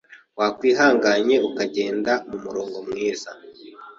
Wakwihanganye ukagendera mu murongo mwiza